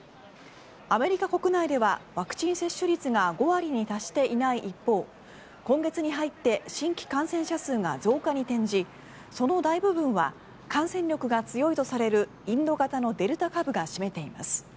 アメリカ国内ではワクチン接種率が５割に達していない一方今月に入って新規感染者数が増加に転じその大部分は感染力が強いとされるインド型のデルタ株が占めています。